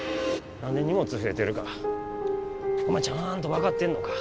何で荷物増えてるかお前ちゃんと分かってんのか？